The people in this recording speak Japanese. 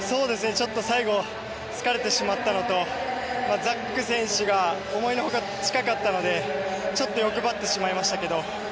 最後、疲れてしまったのとザック選手が思いのほか近かったのでちょっと欲張ってしまいましたけど。